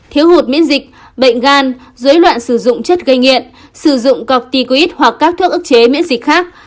thiếu hụt miễn dịch bệnh gan dối loạn sử dụng chất gây nghiện sử dụng cọc ticoid hoặc các thuốc ức chế miễn dịch khác